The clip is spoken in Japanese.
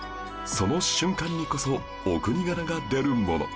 その瞬間にこそお国柄が出るもの